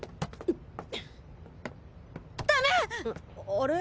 あれ？